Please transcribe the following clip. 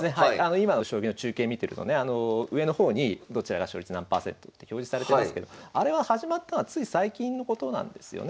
今の将棋の中継見てるとね上の方にどちらが勝率何％って表示されてますけどあれは始まったのはつい最近のことなんですよね。